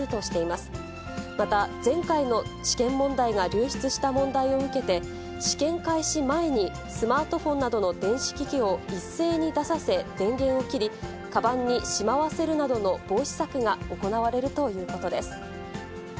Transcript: また、前回の試験問題が流出した問題を受けて、試験開始前にスマートフォンなどの電子機器を一斉に出させ電源を切り、かばんにしまわせるなどの防止策が行われるということです。